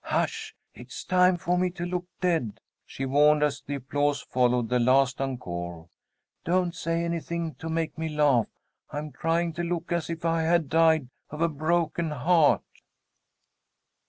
"Hush! It's time for me to look dead," she warned, as the applause followed the last encore. "Don't say anything to make me laugh. I'm trying to look as if I had died of a broken heart."